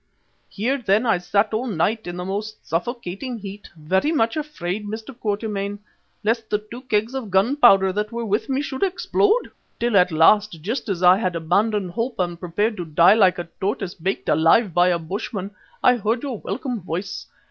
Here, then, I sat all night in the most suffocating heat, very much afraid, Mr. Quatermain, lest the two kegs of gunpowder that were with me should explode, till at last, just as I had abandoned hope and prepared to die like a tortoise baked alive by a bushman, I heard your welcome voice.